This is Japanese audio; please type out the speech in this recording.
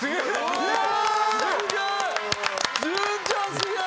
すげえ！